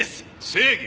正義？